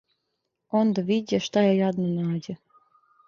Онда виђе шта је јадну нађе,